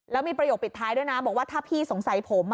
แล้วมีประโยคปิดท้ายด้วยนะบอกว่าถ้าพี่สงสัยผม